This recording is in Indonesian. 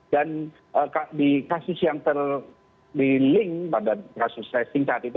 dan di kasus yang terliling pada kasus testing saat itu